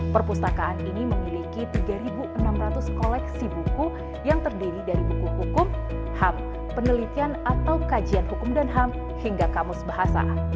perpustakaan ini memiliki tiga enam ratus koleksi buku yang terdiri dari buku hukum ham penelitian atau kajian hukum dan ham hingga kamus bahasa